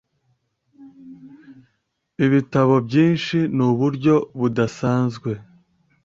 'Ibitabo byinshi nuburyo budasanzwe